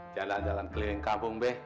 jalan jalan keliling kampung beh